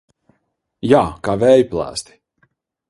Jā, kā vēja plēsti.